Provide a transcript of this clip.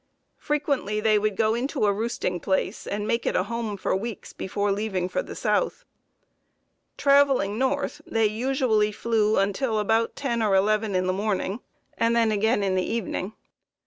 Frequently they would go into a roosting place, and make it a home for weeks before leaving for the South. Traveling north, they usually flew until about ten or eleven in the morning and again in the evening.